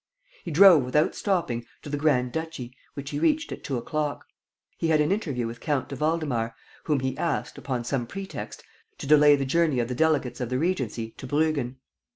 He drove, without stopping, to the grand duchy, which he reached at two o'clock. He had an interview with Count de Waldemar, whom he asked, upon some pretext, to delay the journey of the delegates of the Regency to Bruggen.